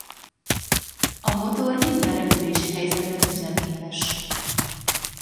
A motor minden repülési helyzetben üzemképes.